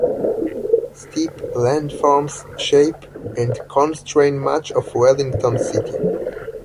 Steep landforms shape and constrain much of Wellington city.